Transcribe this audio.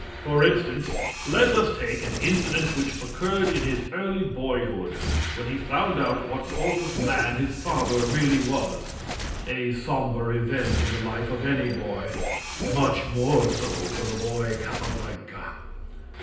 For instance, let us take an incident which occurred in his early boyhood when he found out what sort of man his father really was a sombre event in the life of any boy, much more so for the boy Capablanca.